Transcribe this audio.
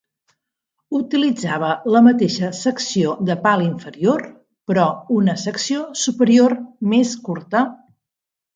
Utilitzava la mateixa secció de pal inferior, però una secció superior més curta.